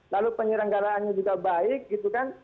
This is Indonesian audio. lalu penyelenggaraannya juga baik gitu kan